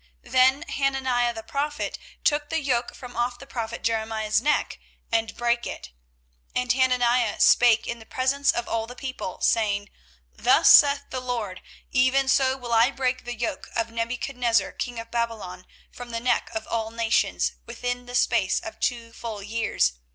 24:028:010 Then Hananiah the prophet took the yoke from off the prophet Jeremiah's neck, and brake it. 24:028:011 And Hananiah spake in the presence of all the people, saying, Thus saith the LORD; Even so will I break the yoke of Nebuchadnezzar king of Babylon from the neck of all nations within the space of two full years.